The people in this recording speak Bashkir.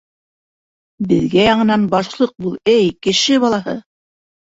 — Беҙгә яңынан башлыҡ бул, эй, кеше балаһы!